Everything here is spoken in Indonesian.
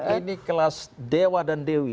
ini kelas dewa dan dewi